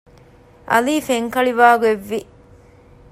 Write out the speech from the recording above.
ޢަލީ ފެންކަޅިވާގޮތް ވި